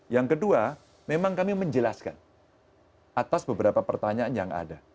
yang kedua memang kami menjelaskan atas beberapa pertanyaan yang ada